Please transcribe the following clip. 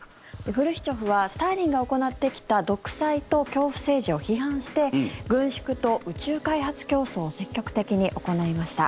フルシチョフはスターリンが行ってきた独裁と恐怖政治を批判して軍縮と宇宙開発競争を積極的に行いました。